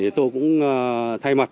thì tôi cũng thay mặt